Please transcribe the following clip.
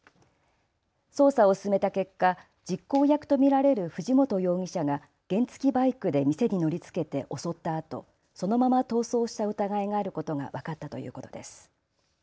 捜査を進めた結果、実行役と見られる藤本容疑者が原付きバイクで店に乗りつけて襲ったあと、そのまま逃走した疑いがあることが分かったということです。